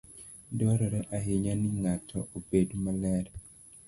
Dwarore ahinya ni ng'ato obed maler.